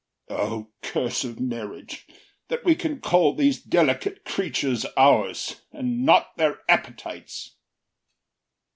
O curse of marriage, That we can call these delicate creatures ours, And not their appetites!